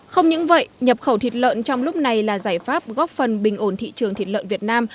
không những vậy nhập khẩu thịt lợn trong lúc này là giải pháp góp phần bình ổn thị trường thịt lợn việt nam